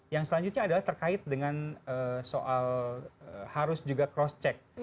yang selanjutnya adalah terkait dengan soal harus juga cross check